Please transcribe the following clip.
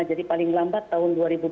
jadi paling lambat tahun dua ribu dua puluh